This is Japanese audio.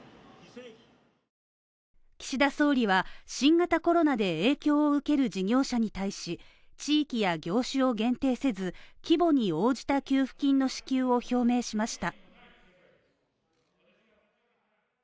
岸田総理は新型コロナで影響を受ける事業者に対し、地域や業種を限定せず、規模に応じた給付金の支給を表明しました。